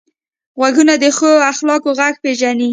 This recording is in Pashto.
غوږونه د ښو اخلاقو غږ پېژني